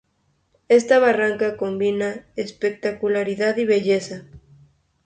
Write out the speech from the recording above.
Esta barranca combina espectacularidad y belleza.